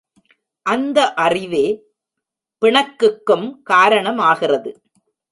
அந்த அறிவே பிணக்குக்கும் காரணமாகிறது.